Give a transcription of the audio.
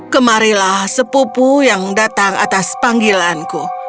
kemarilah sepupu yang datang atas panggilanku